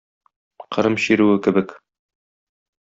Кырым чирүе кебек.